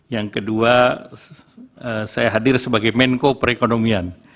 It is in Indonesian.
yang kedua saya hadir sebagai menko perekonomian